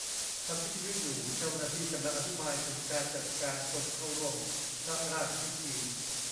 ฟังวิทยุอยู่ เจ้าหน้าที่กำลังอธิบายถึงการจัดการคนเข้าร่วมพระราชพิธี